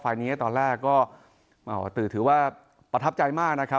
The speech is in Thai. ไฟล์เนี้ยตอนแรกก็อ่าวตือถือว่าประทับใจมากนะครับ